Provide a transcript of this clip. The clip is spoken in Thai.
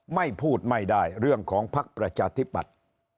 ไม่พูดไม่ได้เรื่องของภักดิ์ประชาธิปัตย์